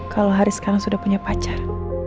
kalau hari sekarang sudah punya pacar